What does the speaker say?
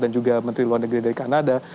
dan juga menteri luar negeri dari kanada